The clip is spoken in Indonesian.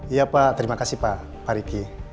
iya pak terima kasih pak pariki